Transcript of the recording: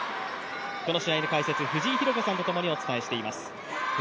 この試合の解説、藤井寛子さんとともにお伝えしていきます。